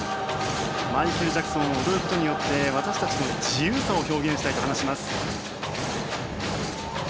マイケル・ジャクソンを踊ることによって私たちの自由さを表現したいと話します。